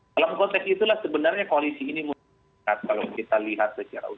dalam konteks itulah sebenarnya koalisi ini mungkin kalau kita lihat secara utuh